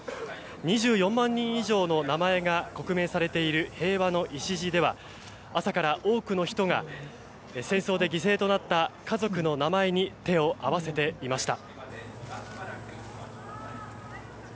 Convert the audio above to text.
２４万人以上の名前が刻銘されている平和の礎では朝から多くの人が戦争で犠牲となった家族の名前に手を合わせていました。